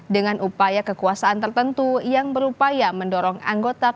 dengan upaya kekuasaan tertentu yang berupaya mendorong anggota partai